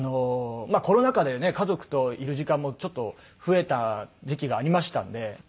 コロナ禍でね家族といる時間もちょっと増えた時期がありましたので。